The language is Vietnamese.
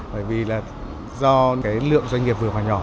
bởi vì do lượng doanh nghiệp vừa hoài nhỏ